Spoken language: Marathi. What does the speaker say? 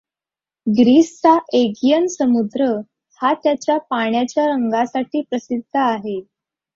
ग्रीसचा एगियन समुद्र हा त्याच्या पाण्याच्या रंगासाठी प्रसिद्ध आहे.